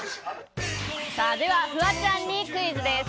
では、フワちゃんにクイズです。